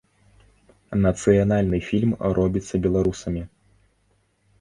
Нацыянальны фільм робіцца беларусамі.